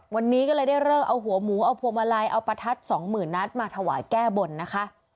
วันนี้ก็เลยได้เลิกเอาหัวหมูเอาพวงมาลัยเอาประทัดสองหมื่นนัดมาถวายแก้บนนะคะ